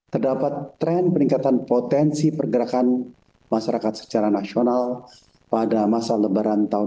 terdapat tren peningkatan potensi pergerakan masyarakat secara nasional pada masa lebaran tahun dua ribu dua puluh